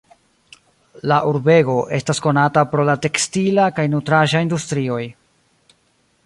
La urbego estas konata pro la tekstila kaj nutraĵa industrioj.